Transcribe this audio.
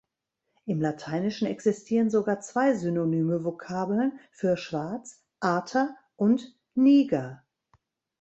Im Lateinischen existieren sogar zwei synonyme Vokabeln für schwarz: "ater" und "niger".